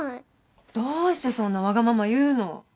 どうして、そんなわがまま言うの？